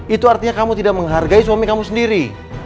itu artinya kamu tidak menghargai suami kamu sendiri